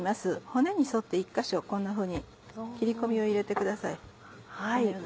骨に沿って１か所こんなふうに切り込みを入れてください。